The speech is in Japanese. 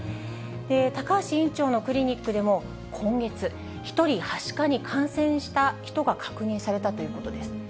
高橋院長のクリニックでも、今月、１人、はしかに感染した人が確認されたということです。